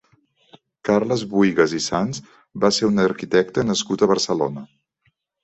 Carles Buïgas i Sans va ser un arquitecte nascut a Barcelona.